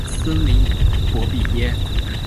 森林博比耶。